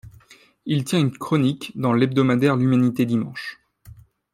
Il tient une chronique dans l'hebdomadaire L'Humanité Dimanche.